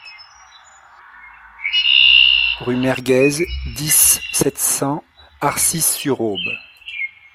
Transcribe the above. Rue Mergez, dix, sept cents Arcis-sur-Aube